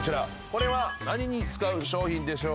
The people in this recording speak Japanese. これは何に使う商品でしょうか。